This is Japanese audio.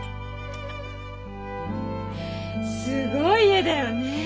すごい家だよね。